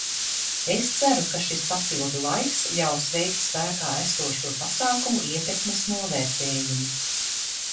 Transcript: Es ceru, ka šis papildu laiks ļaus veikt spēkā esošo pasākumu ietekmes novērtējumu.